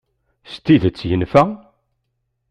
S tidett yenfa?